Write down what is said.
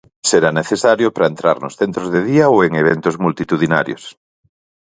Será necesario para entrar nos centros de día ou en eventos multitudinarios.